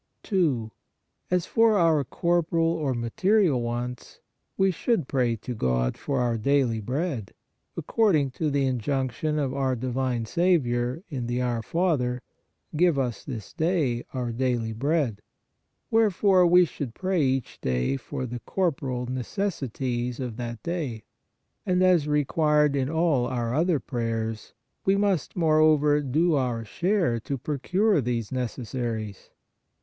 2. As for our corporal or material wants we should pray God for our daily bread, according to the injunction of our divine Saviour in the Our Father :" Give us this day our daily bread." Wherefore, we should pray each day for the cor poral necessities of that day, and, as required in all our other prayers, we must, moreover, dolour share to procure these necessaries.